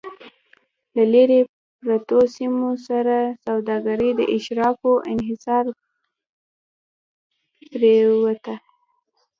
له لرې پرتو سیمو سره سوداګري د اشرافو انحصار پرېوته